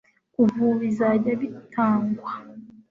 kuva ubu bizajya bitangwa